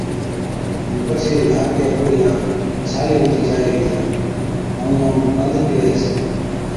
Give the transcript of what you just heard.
ائُون پڇي جي ڌاڪڙِيا گوڙهِيا ڇالي هُتِي جائي هِتِيا ائُون اُونهان مُون گند بيهَي ڇَي۔